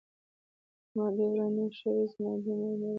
ـ زما دې وړاندې وشوې ، زما دې مور مېړه شوې.